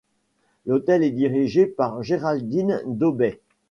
L'hôtel est dirigé par Geraldine Dobey.